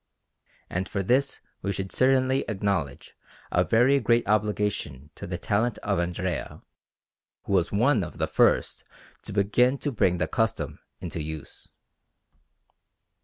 And for this we should certainly acknowledge a very great obligation to the talent of Andrea, who was one of the first to begin to bring the custom into use.